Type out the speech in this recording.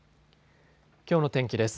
きょうの天気です。